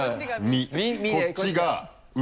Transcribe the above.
こっちが「う」